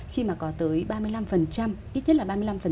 khi mà có tới ba mươi năm ít nhất là ba mươi năm